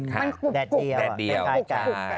มันกุก